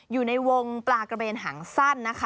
อยู่ในวงปลากระเบนหางสั้นนะคะ